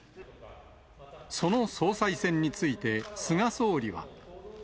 その総裁選について、菅総理は。